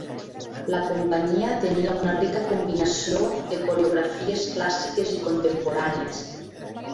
La companyia tenia una rica combinació de coreografies clàssiques i contemporànies.